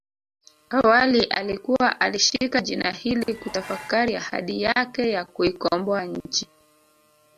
Awali alikuwa alishika jina hili kutafakari ahadi yake ya kuikomboa nchi